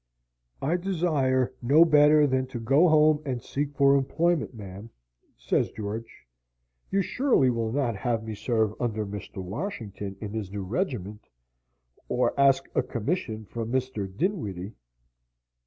"I desire no better than to go home and seek for employment, ma'am," says George. "You surely will not have me serve under Mr. Washington, in his new regiment, or ask a commission from Mr. Dinwiddie?"